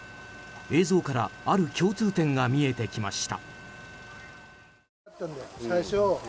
映像からある共通点が見えてきました。